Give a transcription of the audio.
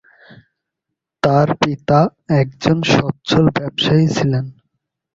তার পিতা একজন সচ্ছল ব্যবসায়ী ছিলেন।